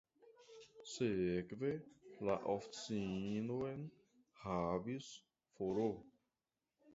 Sekve la oficinon havis Fr.